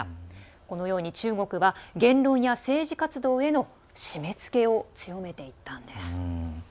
このように中国は言論や政治活動への締めつけを強めていったんです。